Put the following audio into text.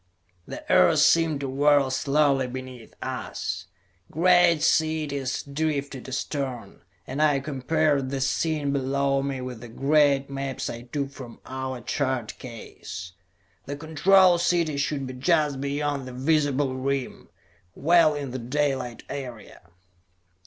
The earth seemed to whirl slowly beneath us. Great cities drifted astern, and I compared the scene below me with the great maps I took from our chart case. The Control City should be just beyond the visible rim; well in the daylight area.